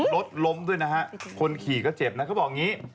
รถล้มด้วยนะฮะคนขี่ก็เจ็บนะเขาบอกอย่างนี้